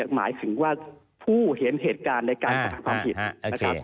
หมายถึงว่าผู้เห็นเหตุการณ์ในการสถานความผิด